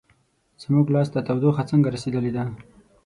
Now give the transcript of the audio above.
زموږ لاس ته تودوخه څنګه رسیدلې ده؟